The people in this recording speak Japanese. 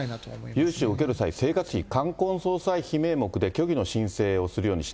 融資を受ける際、生活費、冠婚葬祭費名目で虚偽の申請をするように指南。